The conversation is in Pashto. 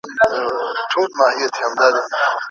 یوه بل ته یې کتل دواړه حیران سول